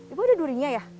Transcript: ibu ada durinya ya